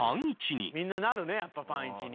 「みんななるねやっぱパンイチに」